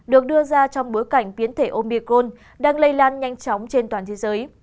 được đưa ra trong bối cảnh biến thể omicron đang lây lan nhanh chóng trên toàn thế giới